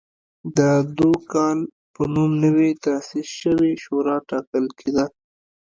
د دوکال په نوم نوې تاسیس شوې شورا ټاکل کېده.